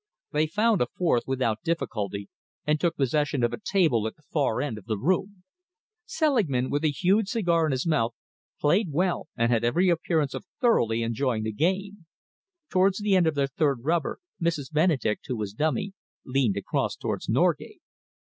They found a fourth without difficulty and took possession of a table at the far end of the room. Selingman, with a huge cigar in his mouth, played well and had every appearance of thoroughly enjoying the game. Towards the end of their third rubber, Mrs. Benedek, who was dummy, leaned across towards Norgate.